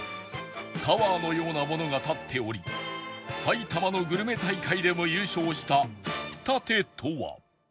タワーのようなものが立っており埼玉のグルメ大会でも優勝したすったてとは？